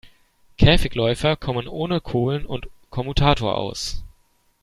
Käfigläufer kommen ohne Kohlen und Kommutator aus.